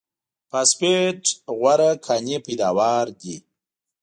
فاسفېټ غوره کاني پیداوار دی.